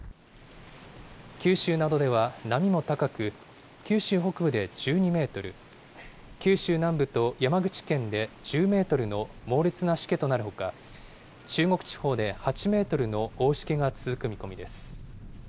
九州などでは波も高く、九州北部で１２メートル、九州南部と山口県で１０メートルの猛烈なしけとなるほか、中国地方で８メートルの大しけが続く見込みです。